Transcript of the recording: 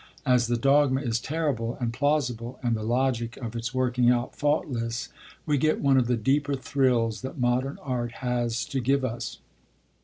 As the dogma is terrible and plausible, and the logic of its working out faultless, we get one of the deeper thrills that modern art has to give us.